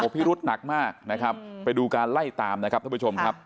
พิรุษหนักมากนะครับไปดูการไล่ตามนะครับท่านผู้ชมครับ